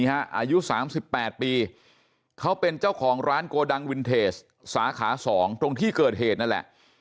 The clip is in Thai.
อายุ๓๘ปีเขาเป็นเจ้าของร้านโกดังวินเทจสาขา๒ตรงที่เกิดเหตุนั่นแหละ